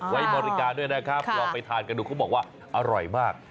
ไว้บริการด้วยนะครับลองไปทานกันดูเขาบอกว่าอร่อยมาก